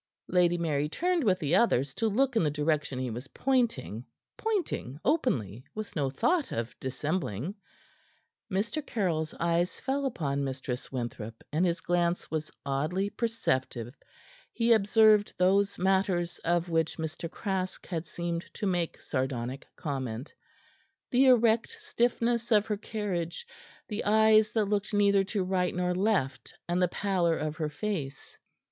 Lady Mary turned with the others to look in the direction he was pointing pointing openly, with no thought of dissembling. Mr. Caryll's eyes fell upon Mistress Winthrop, and his glance was oddly perceptive. He observed those matters of which Mr. Craske had seemed to make sardonic comment: the erect stiffness of her carriage, the eyes that looked neither to right nor left, and the pallor of her face.